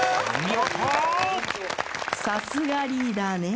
さすがリーダーね。